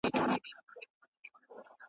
¬ چي لو ډبره اخلي، هغه جنگ نکوي.